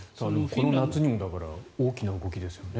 この夏にも大きな動きですよね。